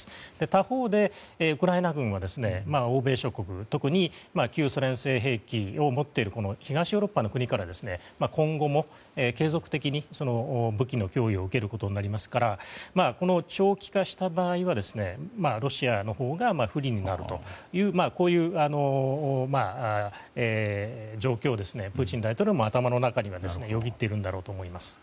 他方でウクライナ軍は欧米諸国、特に旧ソ連製兵器を持っている東ヨーロッパの国から今後も継続的に武器の供与を受けることになりますから長期化した場合はロシアのほうが不利になるという状況がプーチン大統領も頭の中にはよぎっているんだろうと思います。